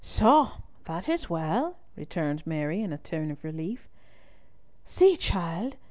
"Soh! that is well," returned Mary, in a tone of relief. "See, child.